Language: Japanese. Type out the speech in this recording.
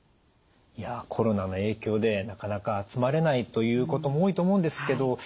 いやコロナの影響でなかなか集まれないということも多いと思うんですけど